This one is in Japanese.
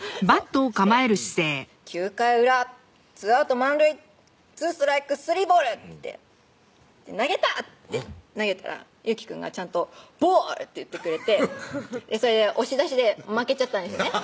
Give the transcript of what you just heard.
そうして「９回裏ツーアウト満塁」「ツーストライクスリーボール」って言って「投げた！」って投げたら祐樹くんがちゃんと「ボール！」って言ってくれてそれで押し出しで負けちゃったんですね